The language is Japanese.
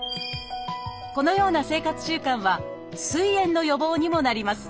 このような生活習慣はすい炎の予防にもなります。